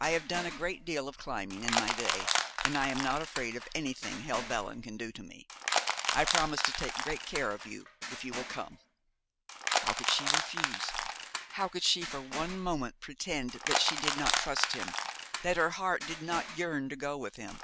'I have done a good deal of climbing in my day, and I am not afraid of anything Helvellyn can do to me. I promise to take great care of you if you will come.' How could she refuse? How could she for one moment pretend that she did not trust him, that her heart did not yearn to go with him.